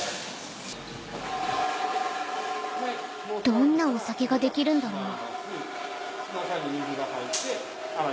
どんなお酒が出来るんだろう